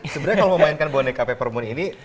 sebenarnya kalau memainkan boneka peppermint ini